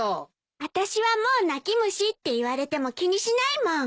あたしはもう泣き虫って言われても気にしないもん。